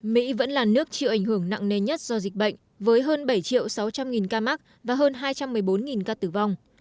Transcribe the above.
mỹ vẫn là nước chịu ảnh hưởng nặng nề nhất do dịch bệnh với hơn bảy sáu trăm linh ca mắc và hơn hai trăm một mươi bốn ca tử vong